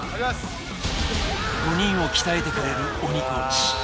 ５人を鍛えてくれる鬼コーチＮＯＡＨ